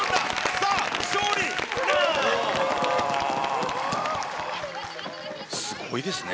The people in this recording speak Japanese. さあ、勝利なすごいですね。